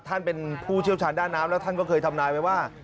ท่านเป็นผู้เชี่ยวชาญด้านน้ำแล้วท่านก็เคยทำนายไว้ว่า